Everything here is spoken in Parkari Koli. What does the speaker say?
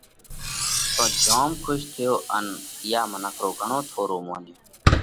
تو جوم کُش ٿيو ان اِيئا منک رو گھڻو ٿورو مونيو۔